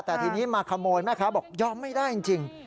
แต่ทีนี้มาขโมยแม่ค้าบอกยอมไม่ได้จริง